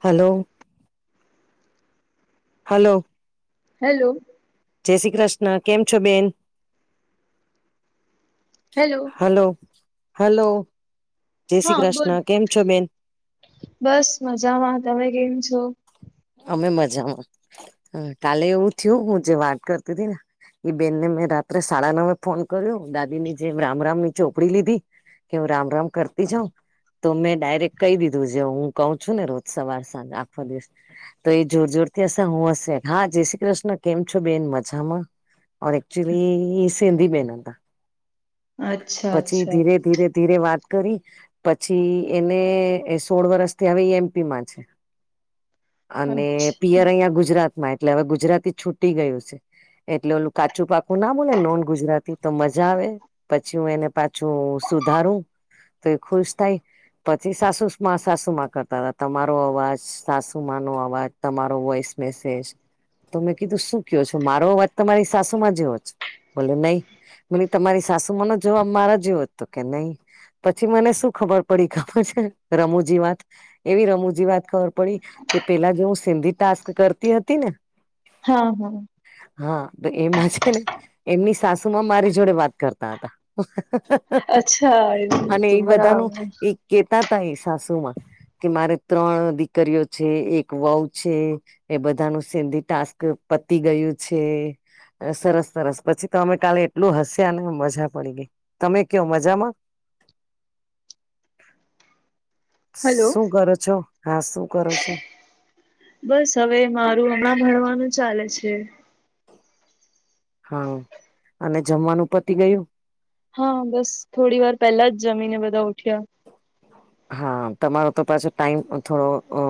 Hello. Hello. Hello. જય શ્રી કૃષ્ણ કેમ છો બેન? હેલો. હલો હલો, જય શ્રી હા બોલ કૃષ્ણ કેમ છો બેન? બસ મજામાં તમે કેમ છો? અમે મજામાં, કાલે એવું થયું હું જે વાત કરતી હતીી ને. એ બેનને મેં રાત્રે સાડા નવે ફોન કર્યો દાદી ની જેમ રામ રામ ની ચોપડી લીધી. કે હું રામ રામ કરતી જાઉ. તો મેં ડાયરેક્ટ કહી દીધું જે હું કહ છું ને રોજ સવાર સાંજ આખો દિવસ. તો એ જોર જોર થી હશે હું હશે હા જય શ્રી કૃષ્ણ કેમ છો બેન મજામાં. એકચુલી સિંધી બેન હતા. અચ્છા પછી અચ્છા ધીરે ધીરે ધીરે વાત કરી, પછી એને સોળ વરષ થી આવે એમપી માં છે. અને પિયર અહીંયા ગુજરાત માં એટલે હવે ગુજરાતી છૂટી ગયું છે. એટલે ઓલું કાચું પાકું ના બોલે નોન ગુજરાતી તો મજા આવે. પછી હું એને પાછું સુધારું. તો એ ખુશ થાય, પછી સાસુ માં સાસુમાં કરતા હતા તમારો અવાજ સાસુ સુમાનો અવાજ તમારો વોઈસ મેસેજ. તો મેં કીધું શું કહો છો મારો અવાજ તમારી સાસુમાં જે હો જ. બોલે નહી, મ તમારી સાસુ મનો જવાબ મારા જેવ્યો હતો કે નહી. પછી મને શું ખબર પડી ખબર છે રમુજી વાત. એવી રમૂજી વાત ખબર પડી, કે પેલા જો હું સિંધી ટાસ્ક કરતી હતી ને. હા હા. હા તો એમાં છે ને એમની સાસુ માં મારી જોડે વાત કરતા હતા. અચ્છા એવું અને હતું એ બધાનું બરાબર એક કેતા ત એ સાસુ માં, કે મારે ત્રણ દીકરીઓ છે એક વહ છે, એ બધા ન સિંધી ટાસ્ક પતી ગયું છે. સરસ સરસ પછી તો અમે કાલે એટલું હસ્યાને મજા પડી ગઈ. તમે કયો મજામાં? હલો શું કરો છો હા શું કરો છો? બસ હવે મારું હમણાં ભણવાનું ચાલે છે. હા, અને જમવાનું પતિ ગયું? હા બસ થોડી વાર પેલા જ જમીને બધા ઉઠ્યા. હા તમારો તો પાછો ટાઈમ થોડો અ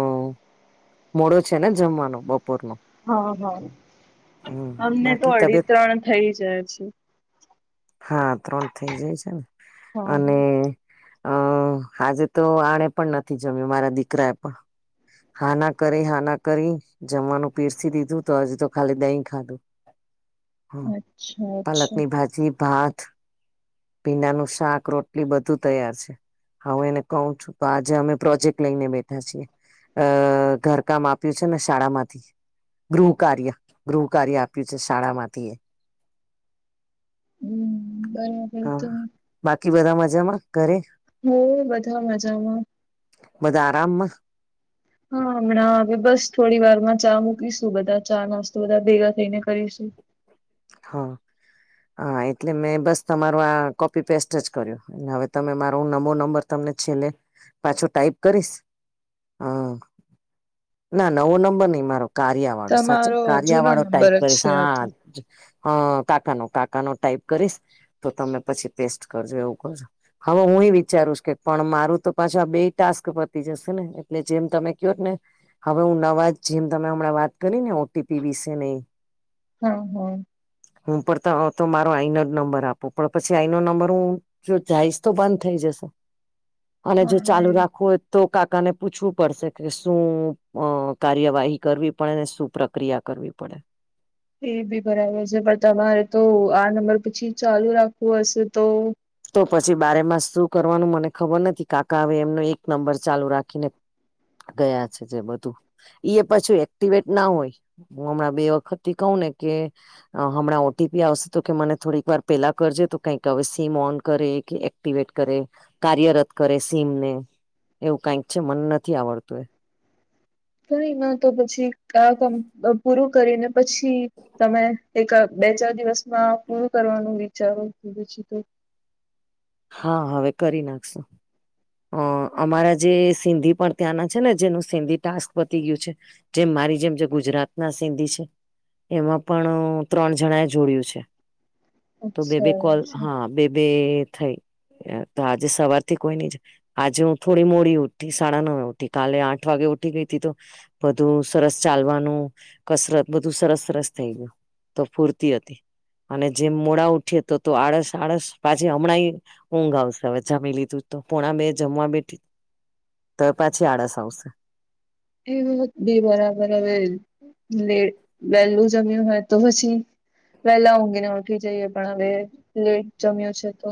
મોડો છે ને જમવાનો બપોર ન? હા હા, અમને તો બાકી અઢી તબિયત ત્રણ થઇ જાય છે. હા ત્રણ થઇ જાય છે ને, હા અને હા અ આજે તો આને પણ નથી જમ્યું મારા દીકરાએ પણ, હાના કરી હના કરી જમવાનું, પીરથી દીધું તો હજુ તો, ખાલી દહીં ખાધું. હ, અચ્છા અચ્છા પાલકની ભાજી ભાત પીંડાનું શાક-રોટલી બધું તૈયાર છે. હા, એને કું છું, તો આજે અમે પ્રોજેક્ટ લઈને બેઠા છીએ, અ ઘરકામ આપ્યું છે ને, શાળા માંથી. ગૃહ કાર્ય, ગૃહ કાર્ય આપ્યું છે, શાળા માંથી એ હમ, બરા હા તું બાકી બધા મજામાં ઘરે? હ, બધા મજામાં. બધા આરામમાં. હા, હમણાં હ બસ થોડી વાર માં ચા મૂકીશું, બધા ચા-નાસ્તો બધા ભેગા થઈને કરીશું. હા, હા, એટલે મેં બસ, તમારું આ કોપી પેસ્ટ જ કર્યું. હવે તમે મારો નમો નંબર તમને છેલ્લે પાછો ટાઈપ કરીશ. હા, ના નવો નંબર નઈ મારો કાર્ય. સાચ, તમારો કાર જૂનો વાળો ટાઈપ નંબર જ છે આ તો. કરી. હા, કાકાનો, કાકાનો ટાઈપ કરીશ, તો તમે પછી પેસ્ટ કરજો, એવું કરજો. હવે હું એ વિચારુંશ કે, પણ મારું તો પાછા આ બે ટાસ્ક પતી જશે ને, એટલે જેમ તમે કહો ને. હવે હું નવાજ, જેમ તમે હમણાં વાત કરી ને, ઓટીપી વિશે ન હા, હા. હું પણ તો તો મારો આઈનો જ નંબર આપું, પણ પછી આઈ ન નંબર હું. જો જઈશ તો બંધ થઈ જશે, અને જો હા ચાલુ એ રાખવું હોય. તો કાકાને પૂછવું પડશે કે, શું કાર્યવાહી કરવી પડે ને? શું પ્રક્રિયા? કરવી પડે. એ બી બરાબર છે, પણ તમારે તો આ નંબર પછી ચાલુ રાખવું હશે તો. તો પછી બારે મા શું કરવાનું, મને ખબર નથી, કાકા હવે એમનો એક નંબર ચાલુ રાખીને. ગયા છે, જે બધું પછું એક્ટિવેટ ના હોય. હું હમણાં બે વખત થી કહે ને કે. હમણાં ઓટીપી આવશે તો કે, મને થોડીક વાર પેલા કરજે, તો કઈક હવે સીમ ઓન. કરે કે, એક્ટિવેટ કરે, કાર્યરત કરે, સીમને એવું કઈક છે, મન નથી આવડતું એ. થઈ ના, તો પછી આ કામ પૂરું કરીને, પછી તમે એક-બે-ચાર દિવસમાં પૂરું કરવાનું, વિચારો પછી તો. હા, હવે કરી નાખશો. અ અમારા જે સિંધી પણ ત્યાંના છે ને, જેનું સિંધી ટાસ્ક બતી ગયું છે. જેમ મારી જેમ જે ગુજરાત ના સિંધી છે. એમાં પણ ત્રણ જણા એ જોડું છે, તો બે-બે અચ્છા કોલ અચ્છા હા. બે-બે થઈ તો, આજે સવારથી કોઈની જ આજે હું થોડી મોડી ઉઠી સાડા ન ઉઠી, કાલે આઠ વાગે ઉઠી ગઈ હતી તો. બધું સરસ, ચાલવાનું, કસરત બધું સરસ સરસ થઈ ગયું. તો ફૂરતી હતી, અને જેમ મોડા ઉઠીએ તો, તો આળસ આળસ પાછી હમણાં. ઊંઘ આવશે, હવે જામી લીધું, તો પોણા બે જમવા બેઠી. તો પાછી આળસ આવશે. એ વાત બે બરાબર. હવે લ વહેલું જમ્યું હોય તો પછી વહેલા ઊંઘીને ઉઠી જઈએ, પણ હવે લેટ જમ્યો છે તો.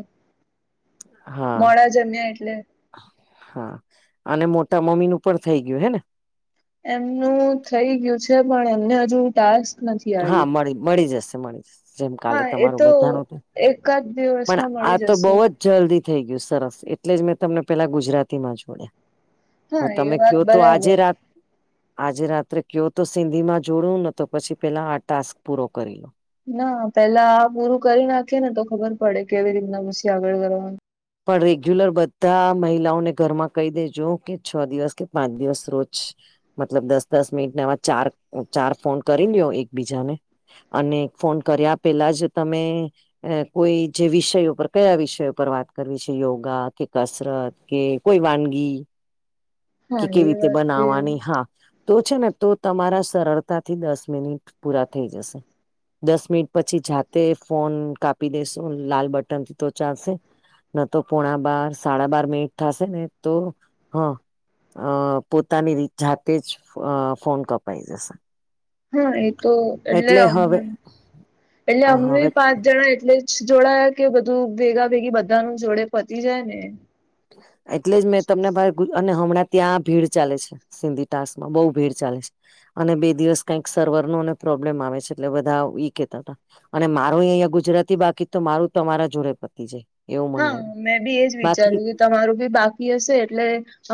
હા મોડા જમ્યા એટલે. હા અને મોટા મમ્મી નું પણ થઇ ગયું હે ને એમનું થઇ ગયું છે પણ એમને હજુ ટાસ્ક નથી હા આવ્યું મળી મળી જશે મળી જશે જેમ કાલે હા એ તમારું તો બધાનું એકાદ પણ દિવસમાં આ મળી તો જશે બહું અ જ જલ્દી થઈ ગયું સરસ એટલે જ મેં તમને પેલા ગુજરાતી માં જોડયા હ હા એ તમે વાત કયો તો આજે બરાબર રાત આજે રાત્રે કયો તો સિંધી માં જોડવું ને તો પછી પેલા આ ટાસ્ક પૂરો કરી લઉ ના પેલા આ પૂરું કરી નાખીએ ને તો ખબર પડે કેવી રીતના મુશએ આગળ કરવાનું પણ રેગ્યુલર બધા મહિલાઓને ઘરમાં કહી દેજો કે છ દિવસ કે પાંચ દિવસ રોજ મતલબ દસ દસ મિનિટનેમાં ચાર ચાર ફોન કરી લ્યો એકબીજાને અને એક ફોન કર્યા પેલા જ તમે અ કોઈ જે વિષયો પર કયા વિષયો પર વાત કરવી છે યોગા કે કસરત કે કોઈ વાનગી કે હા કેવી એ રીતે વાત બી. બનાવાની હા તો છે ને તો તમારા સરળતાથી દસ મિનિટ પૂરા થઈ જશે. દસ મિનિટ પછી જાતે ફોન કાપી દેસું લાલ બટનથી તો ચાલશે ન તો પોણા બાર સાડા બાર મિનિટ થશે ને તો હા અ પોતાની રી જાતે જ અ ફોન કપાય જશે. હા એ તો એટલે એટલે અમે હવે પાંચ જણા એટલે જોડયા કે બધું ભેગા ભેગી બધા નું જોડે પતી જાય ને એટલે જ મેં તમને ભાઈ અને હમણાં ત્યાં ભીડ ચાલે છે. સિંધી ટાસ માં બહુ ભીડ ચાલે છે. અને બે દિવસ કઈક સર્વર નું ને પ્રોબ્લેમ આવે છે એટલે બધા ઈ કેતા હતા. અને મારું એ અહીંયા ગુજરાતી બાકી તો મારું તમારા જોડે પતી જાય એવું મને હા લાગ્યું મેં બી એજ બાકી વિચાર્યું તમારું ભી બાકી હશે એટલે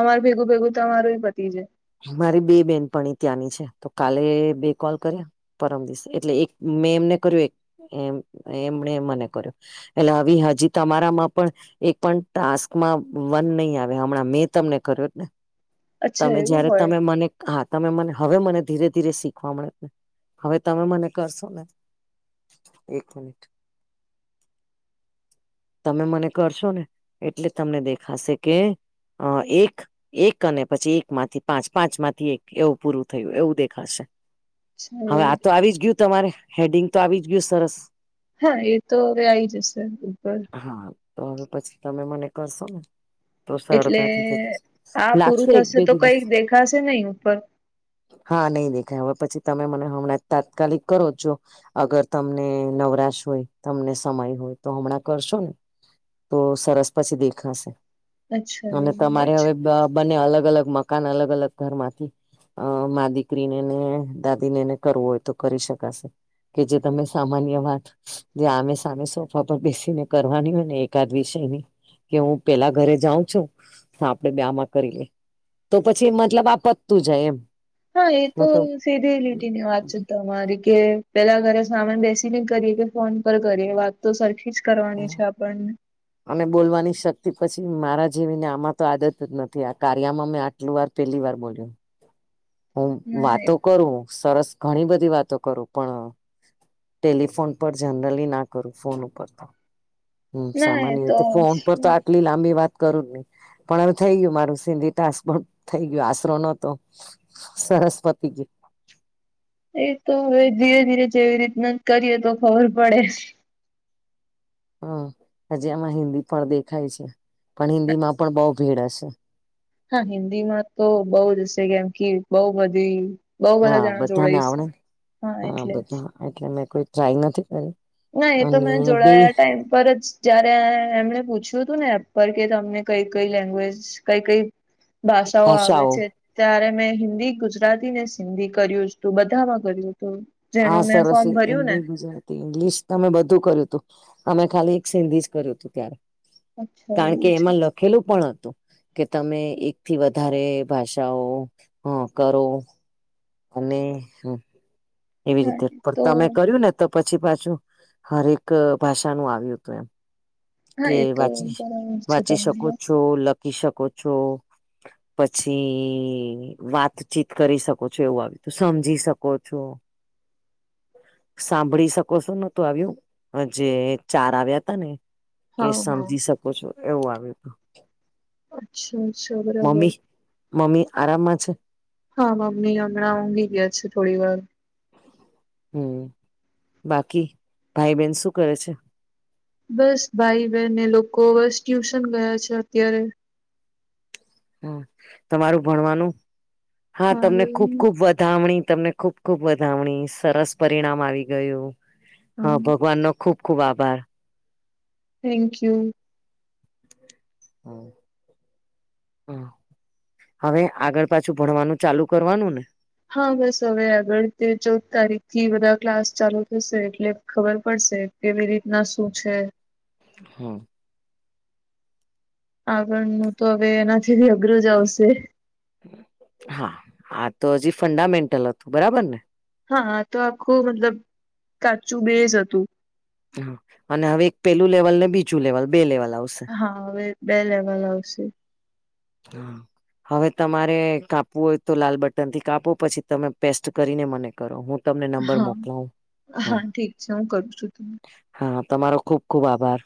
અમાર ભેગું ભેગું તમારું એ પતી જાય મારી બે બેન પણી ત્યાંની છે તો કાલે બે કોલ કર્યા પરમ દિવસ એટલે એક મેં એમને કર્યું એક એમને મને કર્યું એટલે આવી હજી તમારા માં પણ એક પણ ટાસ્કમાં વન નહી આવે હમણાં મેં તમને કર્યો ને અચ્છા તમે એવું જય્યારે તમે મને હા તમે મને હવે મને ધીરે ધીરે શીખવા મળે ને હવે તમે મને કરશો ને એક મિનિટ તમે મને કરશો ને એટલે તમને દેખાશે કે અ એક એક અને પછી એક માંથી પાંચ પાંચ માંથી એક એવું પૂરું થયું એવું દેખાશે હવે હોય આ તો આવી જ ગયું તમારે હેડિંગ તો આવી જ ગયું સરસ હા એ તો આવી જ જશે ઉપર હા તો હવે પછી તમે મને કરશો ને તો એટલે સડકા આ લાગશે પૂરું એક થશે બે તો દિવસ કઈક દેખાશે નહી ઉપર હા નહીં દેખાય હવે પછી તમે મને હમણાં તાત્કાલિક કરો જો અગર તમને નવરાશ હોય તમને સમય હોય તો હમણાં કરશો ને તો સરસ પછી દેખાશે અચ્છા અને એવું હોય તમારે છે હવે અ બંને અલગ અલગ મકાન અલગ અલગ ઘરમાંથી અ મા દીકરીને ને દાદી ને ને કરવું હોય તો કરી શકાશે કે જે તમે સામાન્ય વાત જે આમે સામે સોફા પર બેસી ને કરવાની હોય ને, એકાદ વિષય ની કે, હું પેલા ઘરે જાઉં છું. હા, આપડે બ્યામાં કરી લે, તો પછી મતલબ આ પત્તું જાય એમ. હા, એ તો. સીધી લીટી ની વાત છે, તમારી કે પેલા ઘરે સામાન બેસી ન કરીએ કે, ફોન પર કરીએ વાત. તો સરખી જ કરવાની છે, આપણને અને બોલવાની શક્તિ પછી મારા જેવીને, આમાં તો આદત જ નથી, આ કાર્યમાં મેં પટલું વાર પહેલી વાર બોલ્યો. હું વાતો કરું, સરસ ઘણી બધી વાતો કરું, પણ ટેલિફોન પર જનરલી ના કરું, ફોન ઉપર તો હમ, સામાન્ય એ તો ફોન પર તો, આટલી લાંબી વાત કરું નહી. પણ હવે થઈ ગયું મારું, સિંધી ટાશ પણ થઈ ગયું, આશરો નતો. સરરસ્વતી જ. એ તો હવે ધીરે-ધીરે જેવી રીતના કરીએ તો, ખબર પડે. હમ, હજી આમાં હિન્દી પણ દેખાય છે, પણ હિન્દી માં પણ બહ ભીડ હશે. હા, હિન્દી માં તો બઉ જ હશે, કેમ કે બઉ બધી. બઉ બધા હા જણા બધાને જોડાય છે. આવડે હા, એટલે જ. એટલે મેં કોઈ ટ્રાય નથી કરી. ના, એ તો મેં અને બે જોડાયા ટાઈમ પર જ. જયારે એમને પૂછ્યું હતું ને, એપર કે તમને કઈ-કઈ લેંગ્વેજ, કઈ-કઈ ભાષાઓ આવડે છે. ત્યારે મેં હિન્દી ગુજરાતી ને સિંધી કર્યું જ તું, બધામાં કર્યું હતું. આ જેનું મેં સરસ ફોર્મ એે ભર્યું ને ગુજરાત. ઇંગ્લિશ અમે બધું કર્યું હતું, અમે ખાલી એક સિંધી જ કર્યું તું ત્યારે. અચ્છા કારણ કે, એવું છે એમાં લોકો ખેલું પણ હતું કે, તમે એકથી વધારે ભાષાઓ કરો. અને એવી હા રીતે એ પણ તો તમે કર્યું ને. તો પછી પાછું હરેક ભાષાનું આવ્યું હતું એમ. હા કે એ તો વાચી, બરાબર છે વાંચી તમારી શકો વાત. છો, લખી શકો છો. પછી વાતચીત કરી શકો છો, એવું આવ તો સમજી શકો છો. સાંભળી શકો છો, નતું આવ્યું, જે ચાર આવ્યા ત ને. કે હા હા સમજી શકો છો, એવું આવ હતું. અચ્છા, અચ્છા, બરાબર. મમ્મી મમ્મી આરામમાં છે. હા, મમ્મી હમણાં ઊંઘી ગયા છે, થોડી વાર. હમ, બાકી ભાઈ-બહેન શું કરે છે? બસ, ભાઈ-બહેન એ લોકો બસ ટ્યુશન ગયા છે, અત્યારે. હ, તમારું ભણવાનું. હા, તમને ખુબ મારું ખુબ વધામણી તમને ખુબ. ખૂબ વધામણી સરસ પરિણામ આવી ગયું. હા, ભગવાન નો ખૂબ ખૂબ આભાર. Thank you. હમ. હ, હવે આગળ પાછું ભણવાનું ચાલુ કરવાનું ને. હા, બસ. હવે આગળ તે ચૌદ તારીખ થી બધા ક્લાસ ચાલુ થશે એટલે. ખબર પડશે કેવી રીતના શું છે? હમ. આગળનું તો હવે એનાથી બી અઘરું જ આવશે હા આ તો હજી ફંડામેન્ટલ હતું બરાબર ને હા તો આખું મતલબ કાચું બેઝ હતું હા અને હવે એક પેલું લેવલ ને બીજું લેવલ બે લેવલ આવશે હા હવે બે લેવલ આવશે હમ હવે તમારે કાપવું હોય તો લાલ બટન થી કાપો પછી તમે પેસ્ટ કરીને મને કરો હું તમને નંબર હા મોકલાવુ હા ઠીક છે હું કરું છું તમને હા તમારો ખુબ ખુબ આભાર